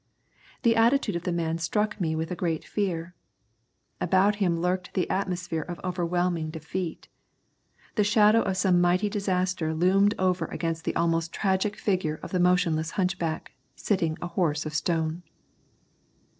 The attitude of the man struck me with a great fear. About him lurked the atmosphere of overwhelming defeat. The shadow of some mighty disaster loomed over against the almost tragic figure of the motionless hunchback sitting a horse of stone.